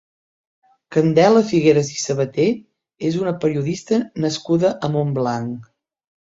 Candela Figueras i Sabaté és una periodista nascuda a Montblanc.